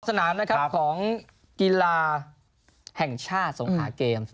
ครอบสนามของกีฬาแห่งชาติสงคระเกม